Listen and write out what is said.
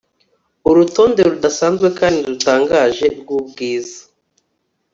Urutonde rudasanzwe kandi rutangaje rwubwiza